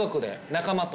仲間と？